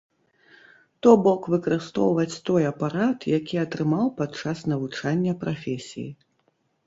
То бок выкарыстоўваць той апарат, які атрымаў падчас навучання прафесіі.